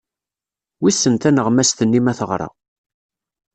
Wissen taneɣmast-nni ma teɣra?